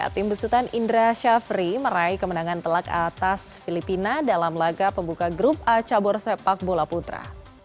tim besutan indra syafri meraih kemenangan telak atas filipina dalam laga pembuka grup a cabur sepak bola putra